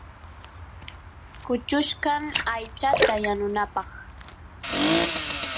kuchuchkan aychata yanunapaq